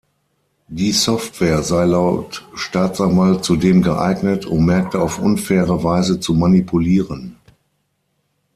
Die Software sei laut Staatsanwaltschaft zudem geeignet, „um Märkte auf unfaire Weise zu manipulieren“.